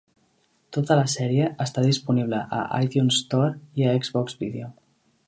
Tota la sèrie està disponible a iTunes Store i a Xbox Video.